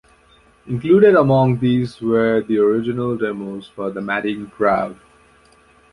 Included among these were the original demos for The Madding Crowd.